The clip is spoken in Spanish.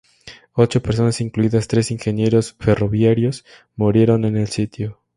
Ocho personas, incluidos tres ingenieros ferroviarios, murieron en el sitio.